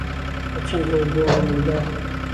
له چهنگ ئهو گۆڵی مندار